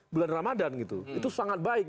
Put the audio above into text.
bulan ramadan gitu itu sangat baik